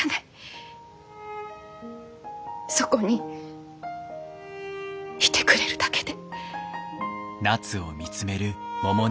そこにいてくれるだけで。